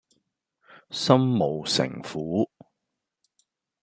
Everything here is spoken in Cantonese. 心無城府￼